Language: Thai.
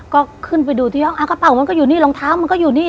ก็ขึ้นไปดูที่ห้องกระเป๋ามันก็อยู่นี่รองเท้ามันก็อยู่นี่